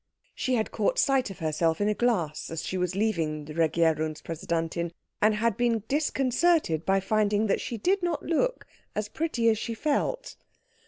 She had caught sight of herself in a glass as she was leaving the Regierungspräsidentin, and had been disconcerted by finding that she did not look as pretty as she felt.